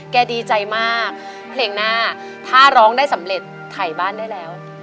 ดีใจมากเพลงหน้าถ้าร้องได้สำเร็จถ่ายบ้านได้แล้ว